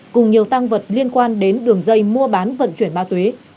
cùng nhiều tăng vật liên quan đến đường dây mua bán vận chuyển ma túy